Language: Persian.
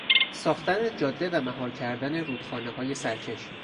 ساختن جاده و مهار کردن رودخانههای سرکش